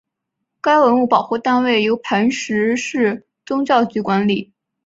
该文物保护单位由磐石市宗教局管理。